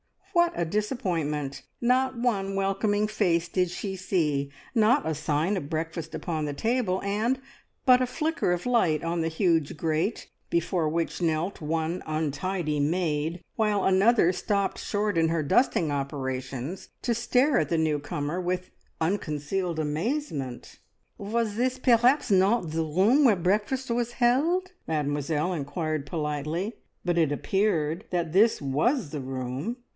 What a disappointment! Not one welcoming face did she see, not a sign of breakfast upon the table, and but a flicker of light on the huge grate, before which knelt one untidy maid, while another stopped short in her dusting operations to stare at the new comer with unconcealed amazement. "Was this perhaps not the room where breakfast was held?" Mademoiselle inquired politely, but it appeared that this was the room.